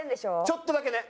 ちょっとだけね。